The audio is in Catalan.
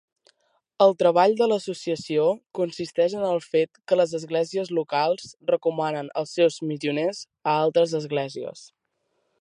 El treball de l'associació consisteix en el fet que les esglésies locals recomanen els seus missioners a altres esglésies.